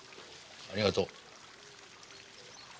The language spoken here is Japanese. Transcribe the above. ありがとう。